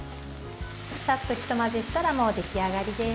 さっとひと混ぜしたらもう出来上がりです。